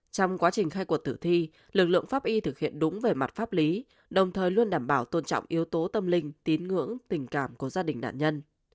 trong quá trình khai cuộc thử thi lực lượng pháp y thực hiện đúng về mặt pháp lý đồng thời luôn đảm bảo tôn trọng yếu tố tâm linh tín ngưỡng tình cảm của gia đình nạn nhân